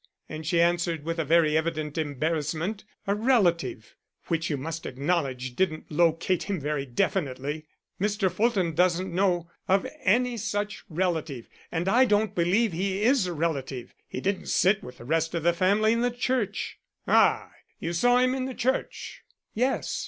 and she answered with very evident embarrassment, 'A relative'; which you must acknowledge didn't locate him very definitely. Mr. Fulton doesn't know of any such relative. And I don't believe he is a relative. He didn't sit with the rest of the family in the church." "Ah! you saw him in the church." "Yes.